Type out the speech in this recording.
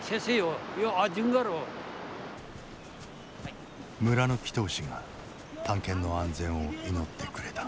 村の祈祷師が探検の安全を祈ってくれた。